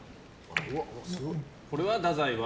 これは太宰は？